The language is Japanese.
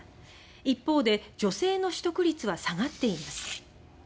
一方で、女性の取得率は下がっています。